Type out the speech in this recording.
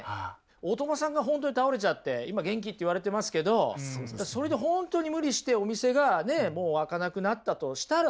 大友さんが本当に倒れちゃって今元気って言われてますけどそれで本当に無理してお店がもう開かなくなったとしたらですよ